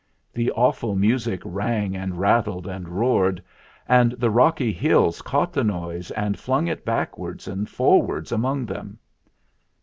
The awful music rang and rattled and roared; and the rocky hills caught THE MAKING OF THE CHARM 37 the noise and flung it backwards and for wards among them.